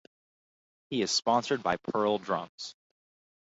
He is sponsored by Pearl Drums.